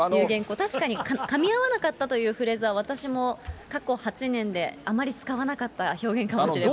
確かにかみ合わなかったというフレーズは私も過去８年であまり使わなかった表現かもしれませんね。